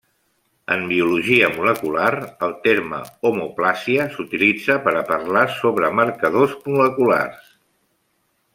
En biologia molecular, el terme homoplàsia s'utilitza per a parlar sobre marcadors moleculars.